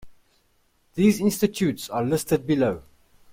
These institutes are listed below.